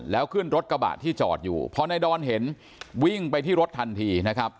แล้วขึ้นรถกระบะที่จอดอยู่พอนายดอนเห็นวิ่งไปที่รถทันทีนะครับ